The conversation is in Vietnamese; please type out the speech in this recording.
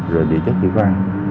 rồi địa chất vĩ vang